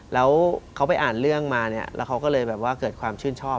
แล้วเขาไปอ่านเรื่องมาเนี่ยแล้วเขาก็เลยแบบว่าเกิดความชื่นชอบ